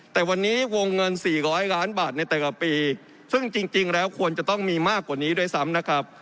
แต่วันนี้วงเงิน๔๐๐ล้านบาทในแต่ละปีซึ่งจริงแล้วควรจะต้องมีมากกว่านี้ด้วยซ้ำนะครับ